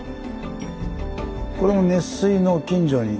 これも熱水の近所に。